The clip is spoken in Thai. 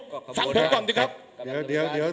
ฟังเขาก่อนสิครับ